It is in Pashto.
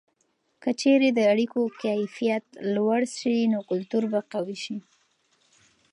که چیرې د اړیکو کیفیت لوړه سي، نو کلتور به قوي سي.